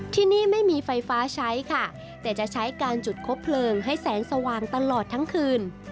ที่นี่ไม่มีไฟฟ้าใช้ค่ะแต่จะใช้การจุดคบเพลิงให้แสงสว่างตลอดทั้งคืน